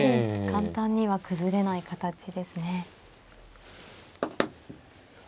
簡単には崩れない形ですね。